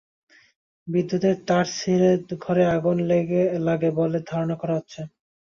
বিদ্যুতের তার ছিঁড়ে পড়ে ঘরে আগুন লাগে বলে ধারণা করা হচ্ছে।